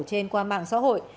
trên qua mạng xã hội